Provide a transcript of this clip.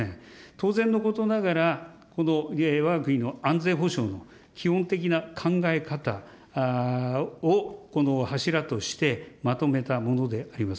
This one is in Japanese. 当然のことながら、このわが国の安全保障の基本的な考え方をこの柱としてまとめたものであります。